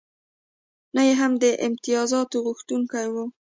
نه یې هم د امتیازغوښتونکی و.